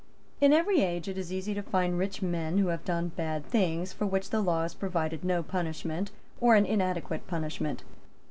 In every age it is easy to find rich men who have done bad things for which the law has provided no punishment or an inadequate punishment.